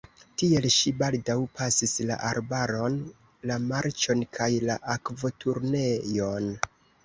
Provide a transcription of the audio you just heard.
Tiel ŝi baldaŭ pasis la arbaron, la marĉon kaj la akvoturnejon.